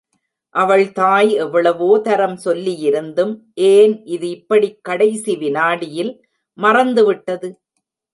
அவள் தாய் எவ்வளவோ தரம் சொல்லியிருந்தும் ஏன் இது இப்படிக் கடைசி விநாடியில் மறந்துவிட்டது!